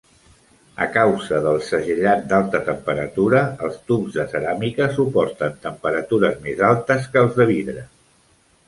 A causa de el segellat d'alta temperatura, els tubs de ceràmica suporten temperatures més altes que els de vidre.